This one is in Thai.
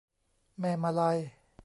แม่มาลัย